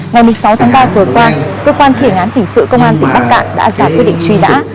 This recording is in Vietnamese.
ngày một mươi sáu tháng ba vừa qua cơ quan thể ngán tỉnh sự công an tỉnh bắc cạn đã ra quyết định truy nã